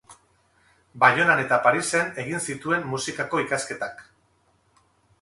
Baionan eta Parisen egin zituen musikako ikasketak.